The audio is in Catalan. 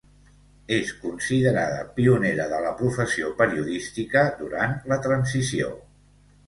És considerada pionera de la professió periodística durant la transició.